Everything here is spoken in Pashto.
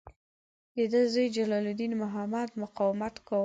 د ده زوی جلال الدین محمد مقاومت کاوه.